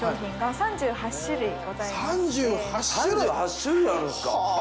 ３８種類あるんですか。